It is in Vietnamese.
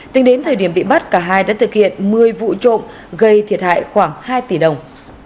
tính đến thời điểm bị bắt cả hai đã thực hiện một mươi vụ trộm gây thiệt hại khoảng hai tỷ đồng